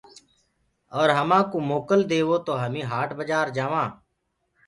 اور همآ ڪو موڪل ديئو تو همي هآٽ بآجآر جآوانٚ۔